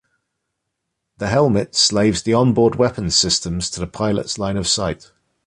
The helmet slaves the onboard weapons systems to the pilot's line of sight.